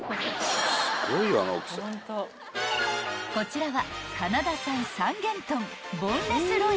［こちらは］